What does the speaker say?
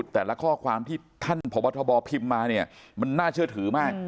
แต่ละข้อความที่ท่านพบทบพิมพ์มาเนี่ยมันน่าเชื่อถือมาก